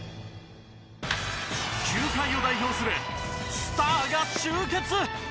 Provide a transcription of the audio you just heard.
球界を代表するスターが集結！